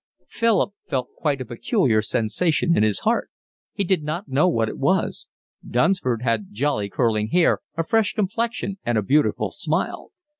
Philip felt quite a peculiar sensation in his heart. He did not know what it was. Dunsford had jolly curling hair, a fresh complexion, and a beautiful smile.